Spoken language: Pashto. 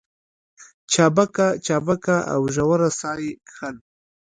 چابکه چابکه او ژوره ساه يې کښل.